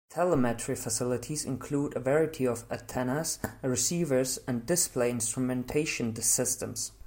Telemetry facilities include a variety of antennas, receivers, and display instrumentation systems.